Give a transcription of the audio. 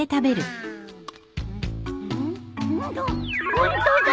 ホントだ！